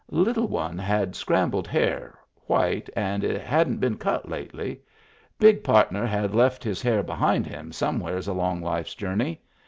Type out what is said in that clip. Little one had scrambled hair, white, and it hadn't been cut lately. Big partner had left his hair behind him somewheres along life's journey.